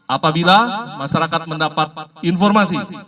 apabila masyarakat mendapat informasi